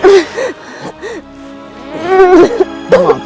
akhir hal apa